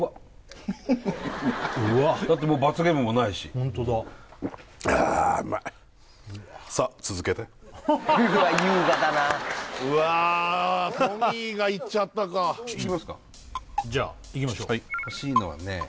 うわっだってもう罰ゲームもないしホントだあっうまいうわっ優雅だなあうわあっトミーがいっちゃったかいきますかじゃあいきましょう欲しいのはね